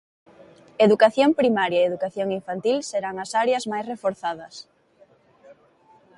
Educación primaria e educación infantil serán as áreas máis reforzadas.